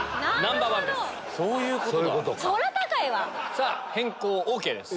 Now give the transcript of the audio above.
さぁ変更ＯＫです。